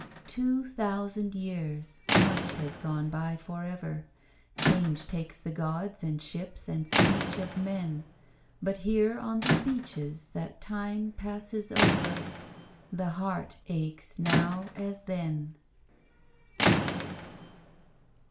Two thousand years much has gone by forever, Change takes the gods and ships and speech of men But here on the beaches that time passes over The heart aches now as then.